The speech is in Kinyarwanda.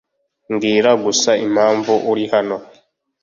Mbwira gusa impamvu uri hano .